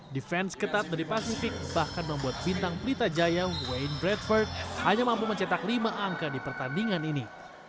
defense ketat dari pasifik bahkan membuat bintang pelita jaya wayne bradford hanya mampu mencetak lima angka di pertandingan ini